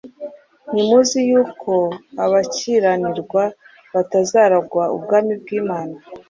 Ntimuzi yuko abakiranirwa batazaragwa ubwami bw’Imana. ”